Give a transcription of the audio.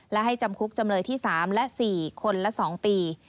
และให้จำคุกจำเลยที่๓และ๔คนละ๒ปี